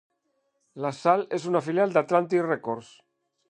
LaSalle es una filial de Atlantic Records.